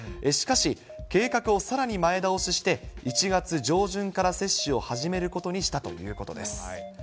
しかし、計画をさらに前倒しして、１月上旬から接種を始めることにしたということです。